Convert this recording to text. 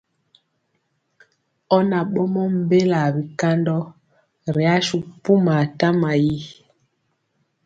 Ɔ na ɓɔmɔ mbelaa bikandɔ ri asu pumaa tama yi.